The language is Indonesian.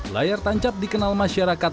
layar tancap dikenal masyarakat